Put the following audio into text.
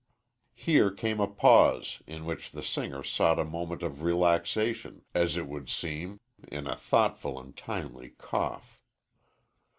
Here came a pause, in which the singer sought a moment of relaxation, as it would seem, in a thoughtful and timely cough.